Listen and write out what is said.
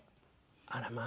あらまあ。